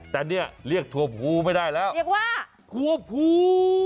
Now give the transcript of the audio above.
แต่เนี่ยเรียกถั่วภูไม่ได้แล้วเรียกว่าถั่วภู